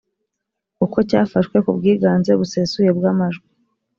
uko cyafashwe ku bwiganze busesuye bw amajwi